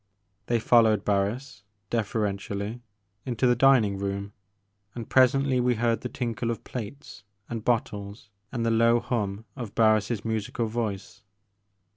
They followed Barris, deferentially, into the dining room, and presently we heard the tinkle of plates and bottles and the low hum of Barris* musical voice.